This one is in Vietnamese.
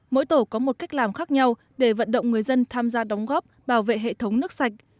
mỗi tổ có một cách làm khác nhau để vận động người dân tham gia đóng góp bảo vệ hệ thống nước sạch